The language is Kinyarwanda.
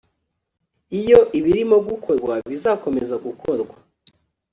iyo ibirimo gukorwa bizakomezagukora